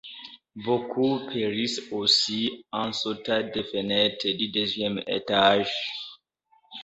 Beaucoup périssent aussi en sautant des fenêtres du deuxième étage.